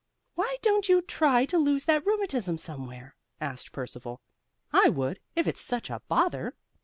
"Why don't you try to lose that rheumatism somewhere?" asked Percival. "I would, if it's such a bother."